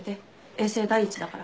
衛生第一だから。